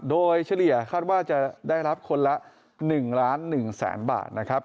โดยเฉลี่ยคาดว่าจะได้รับคนละ๑ล้าน๑แสนบาทนะครับ